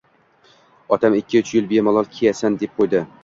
Otam «Ikki-uch yil bemalol kiyasan», deb qo‘ydi.